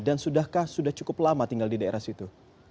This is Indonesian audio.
dan sudahkah sudah cukup lama tinggal di daerah situ